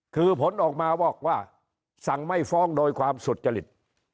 คือผลออกมาบอกว่าสั่งไม่ฟ้องโดยความสุจริต